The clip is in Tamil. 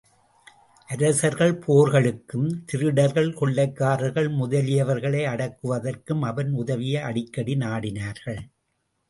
அரசர்கள் போர்களுக்கும், திருடர்கள், கொள்ளைக்காரர்கள் முதலியவர்களை அடக்குவதற்கும் அவன் உதவியை அடிக்கடி நாடினார்கள்.